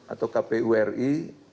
atau kpu ri